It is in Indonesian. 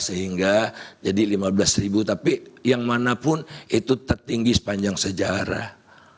sehingga jadi lima belas ribu tapi yang manapun itu tertinggi sepanjang sejarah